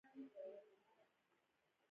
د دوه لاین سرک عرض اوه متره محاسبه شوی دی